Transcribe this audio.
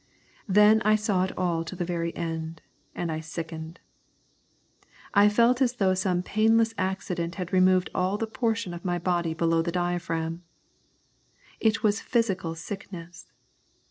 Then I saw it all to the very end, and I sickened. I felt as though some painless accident had removed all the portion of my body below the diaphragm. It was physical sickness.